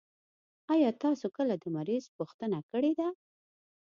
آيا تاسو کله د مريض پوښتنه کړي ده؟